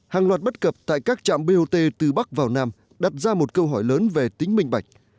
hàng loạt bất cập tại các trạm bot từ bắc vào nam đặt ra một câu hỏi lớn về tính minh bạch